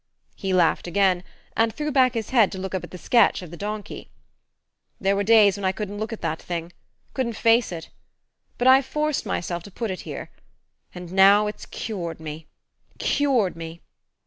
He laughed again, and threw back his head to look up at the sketch of the donkey. "There were days when I couldn't look at that thing couldn't face it. But I forced myself to put it here; and now it's cured me cured me.